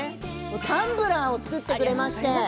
タンブラーを作ってくれまして。